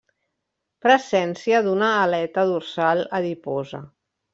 Presència d'una aleta dorsal adiposa.